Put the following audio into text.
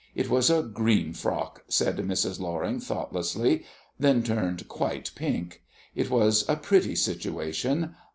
"It was a green frock," said Mrs. Loring thoughtlessly; then turned quite pink. It was a pretty situation.